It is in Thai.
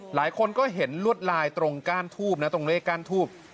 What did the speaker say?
หลายคนก็เห็นลวดลายตรงก้านทูบนะตรงเลขก้านทูบ